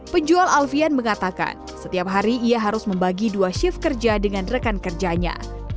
penjual alfian mengatakan setiap hari ia harus membagi dua shift kerja dengan rekan kerjanya